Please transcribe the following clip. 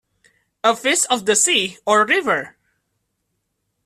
A fish of the sea or river?